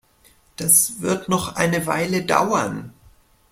Das wird noch eine Weile dauern.